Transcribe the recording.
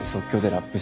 ラップ？